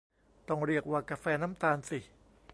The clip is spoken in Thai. ต้องเรียกว่ากาแฟน้ำตาลสิ